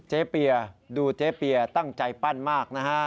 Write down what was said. เปียดูเจ๊เปียตั้งใจปั้นมากนะฮะ